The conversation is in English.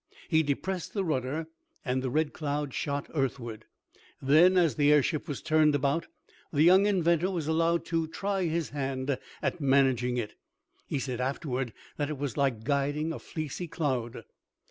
He depressed the rudder, and the Red Cloud shot earthward. Then, as the airship was turned about, the young inventor was allowed to try his hand at managing it. He said, afterward, that it was like guiding a fleecy cloud.